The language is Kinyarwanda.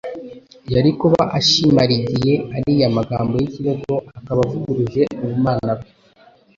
yari kuba ashimarigiye ariya magambo y'ikirego, akaba avuguruje ubumana bwe.